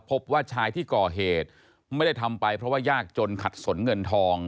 พบว่าชายที่ก่อเหตุไม่ได้ทำไปเพราะว่ายากจนขัดสนเงินทอง